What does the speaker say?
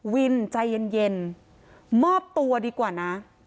วินใจเย็นมอบตัวดีกว่านะ